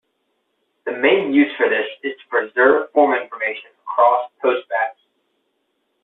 The main use for this is to preserve form information across postbacks.